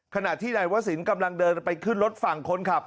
ขณะที่นายวศิลป์กำลังเดินไปขึ้นรถฝั่งคนขับ